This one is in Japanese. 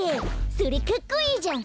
それかっこいいじゃん！